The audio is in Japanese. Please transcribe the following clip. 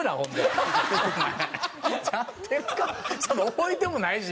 覚えてもないし。